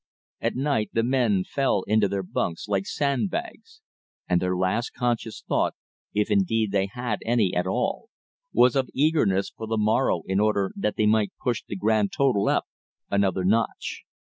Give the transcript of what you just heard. At night the men fell into their bunks like sandbags, and their last conscious thought, if indeed they had any at all, was of eagerness for the morrow in order that they might push the grand total up another notch.